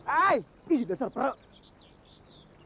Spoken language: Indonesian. eh ini udah serprek